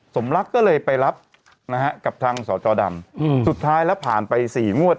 สมรักก็เลยไปรับนะฮะกับทางสจดำสุดท้ายแล้วผ่านไปสี่งวด